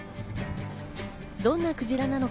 どんなクジラなのか？